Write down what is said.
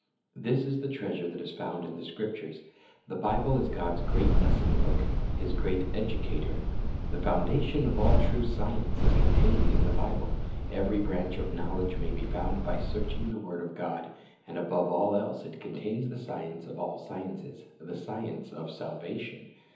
"' This is the treasure that is found in the Scriptures. The Bible is God's great lesson book, His great educator. The foundation of all true science is contained in the Bible. Every branch of knowledge may be found by searching the word of God. And above all else it contains the science of all sciences, the science of salvation.